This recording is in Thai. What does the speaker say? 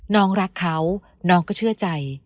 น้องรักเขาน้องก็เชื่อใจ